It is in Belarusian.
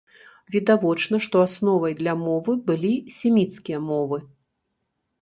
Відавочна, што асновай для мовы былі семіцкія мовы.